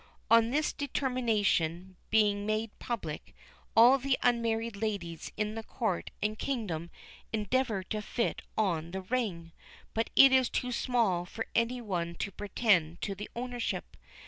On this determination being made public, all the unmarried ladies in the Court and kingdom endeavour to fit on the ring, but it is too small for any one to pretend to the ownership.